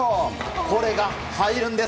これが入るんです。